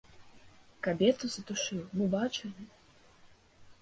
Кабету задушыў, мы бачылі!